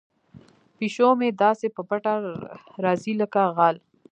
پیشو مې داسې په پټه راځي لکه غل.